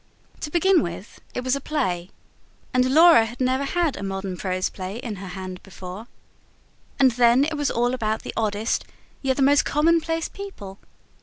To begin with, it was a play and Laura had never had a modern prose play in her hand before and then it was all about the oddest, yet the most commonplace people.